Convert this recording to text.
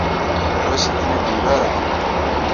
Ur asen-ten-id-temla ara.